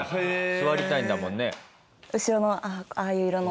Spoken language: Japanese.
座りたいんだもんね。